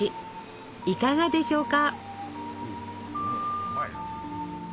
いかがでしょうか？